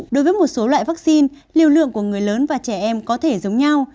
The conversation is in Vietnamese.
đối với một số loại vaccine liều lượng của người lớn và trẻ em có thể giống nhau